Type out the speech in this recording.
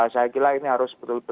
saya kira ini harus betul betul